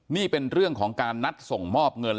นี่เป็นเรื่องของการนัดส่งมอบเงิน